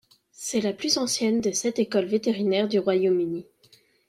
C'est la plus ancienne des sept écoles vétérinaires du Royaume-Uni.